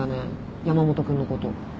山本君のこと。